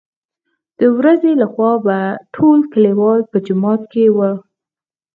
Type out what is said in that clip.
دورځې له خوا به ټول کليوال په جومات کې ول.